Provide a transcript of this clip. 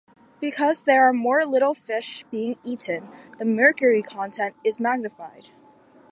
Because there are more little fish being eaten, the mercury content is magnified.